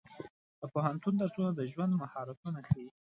د پوهنتون درسونه د ژوند مهارتونه ښيي.